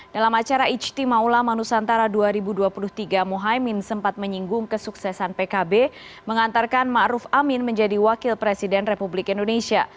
dalam acara ict maula manusantara dua ribu dua puluh tiga muhamad sempat menyinggung kesuksesan pkb mengantarkan ma'ruf amin menjadi wakil presiden republik indonesia